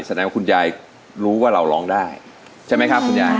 แสดงว่าคุณยายรู้ว่าเราร้องได้ใช่ไหมครับคุณยาย